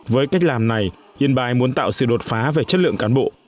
với cách làm này yên bái muốn tạo sự đột phá về chất lượng cán bộ